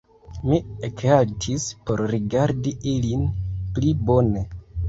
Mi ekhaltis por rigardi ilin pli bone.